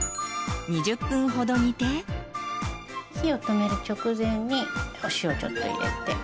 火を止める直前にお塩ちょっと入れて。